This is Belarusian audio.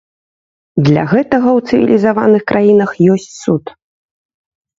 Для гэтага ў цывілізаваных краінах ёсць суд.